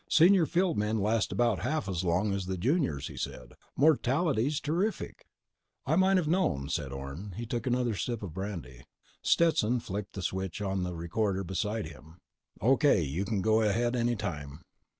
"Senior field men last about half as long as the juniors," he said. "Mortality's terrific?" "I might've known," said Orne. He took another sip of the brandy. Stetson flicked on the switch of a recorder beside him. "O.K. You can go ahead any time."